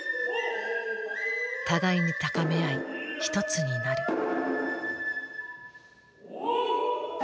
互いに高め合い一つになる。